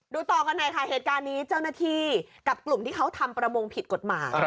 ต่อกันหน่อยค่ะเหตุการณ์นี้เจ้าหน้าที่กับกลุ่มที่เขาทำประมงผิดกฎหมาย